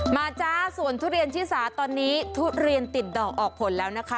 จ้าส่วนทุเรียนชิสาตอนนี้ทุเรียนติดดอกออกผลแล้วนะคะ